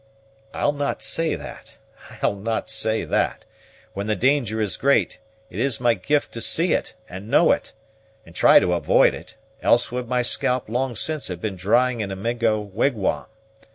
"I'll not say that, I'll not say that. When the danger is great, it is my gift to see it, and know it, and to try to avoid it; else would my scalp long since have been drying in a Mingo wigwam.